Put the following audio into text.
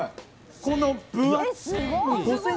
この分厚い。